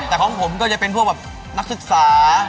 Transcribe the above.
แต่ของผมก็จะเป็นพวกแบบนักศึกษา